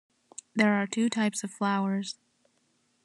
There are two types of flowers.